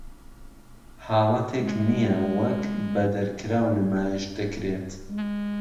"حاڵەتێک نیە" وەک "بەدەرکراو" نمایش دەکرێت.